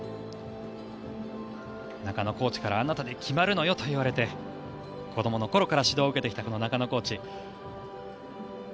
中野コーチからあなたで決まるのよと言われて子どもの頃から指導を受けてきたこの中野コーチ。